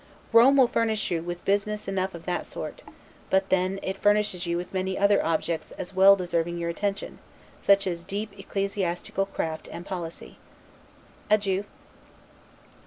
Rome will furnish you with business enough of that sort; but then it furnishes you with many other objects well deserving your attention, such as deep ecclesiastical craft and policy. Adieu.